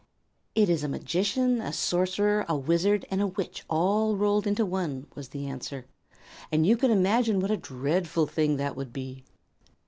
"It is a magician, a sorcerer, a wizard, and a witch all rolled into one," was the answer; "and you can imagine what a dreadful thing that would be."